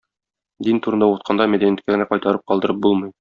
Дин турында укытканда мәдәниятка гына кайтарып калдырып булмый.